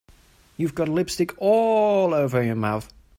You've got lipstick all over your mouth.